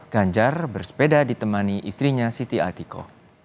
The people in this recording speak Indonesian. ganjar bersepeda ditemani istrinya siti atiko